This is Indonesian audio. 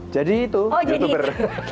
jadi itu youtuber